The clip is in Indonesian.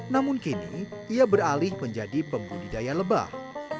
namun kini ia beralih menjadi pembudidaya lebah